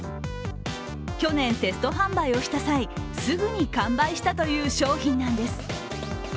去年、テスト販売をした際すぐに完売したという商品なんです。